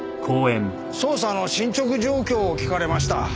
捜査の進捗状況を聞かれました。